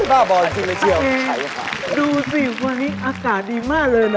ร่าบอลซีนเบอร์เชียวใช้ค่ะอาเกณฑ์ดูสิวันนี้อากาศดีมากเลยนะ